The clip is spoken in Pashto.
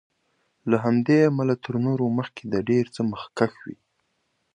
له همدې امله تر نورو مخکې د ډېر څه مخکښ وي.